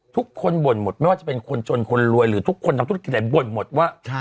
ทุกคนบ่นหมดไม่ว่าจะเป็นคนจนคนรวยหรือทุกคนทำธุรกิจใดบ่นหมดว่า